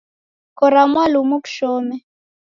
Kora mwalumu kushome